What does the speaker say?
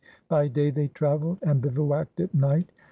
By day they traveled, and bivouacked at night.